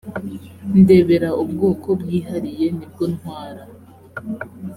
ndebera ubwoko bwihariye nibwo ntwara